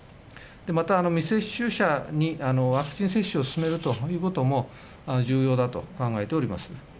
また未接種者にワクチン接種を勧めるということも、重要だと考え